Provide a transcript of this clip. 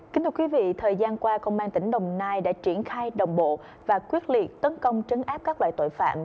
kính thưa quý vị thời gian qua công an tỉnh đồng nai đã triển khai đồng bộ và quyết liệt tấn công trấn áp các loại tội phạm